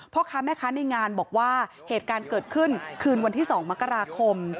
พ่อค้าแม่ค้าในงานบอกว่าเหตุการณ์เกิดขึ้นคืนวันที่๒มกราคม